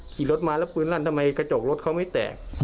ขี่รถมาแล้วปืนลั่นทำไมกระจกรถเขาไม่แตก